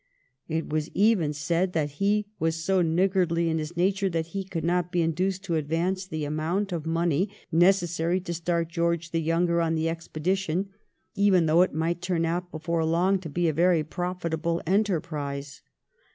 It was even said that he was so niggardly in his nature that he could not be induced to advance the amount of 272 THE REIGN OF QUEEN ANNE. ch. xxxm. money necessary to start George the younger on the expedition, even though it might turn out before long to be a very profitable enterprise.